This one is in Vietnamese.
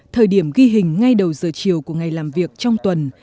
thời điểm ghi hình ngay đầu giờ chiều của ngày làm việc trong tuần